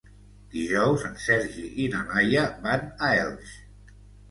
Dijous en Sergi i na Laia van a Elx.